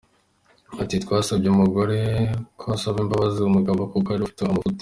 Ati “Twasabye umugore ko asaba imbabazi umugabo kuko ariwe ufite amafuti.